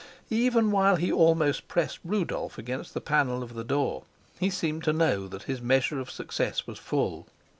Even while he almost pressed Rudolf against the panel of the door, he seemed to know that his measure of success was full.